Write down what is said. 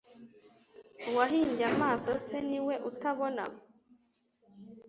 Uwahimbye amaso se ni we utabona?